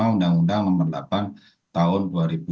undang undang nomor delapan tahun dua ribu dua